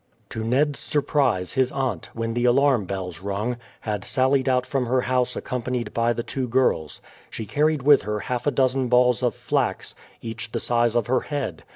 To Ned's surprise his aunt, when the alarm bells rung, had sallied out from her house accompanied by the two girls. She carried with her half a dozen balls of flax, each the size of her head.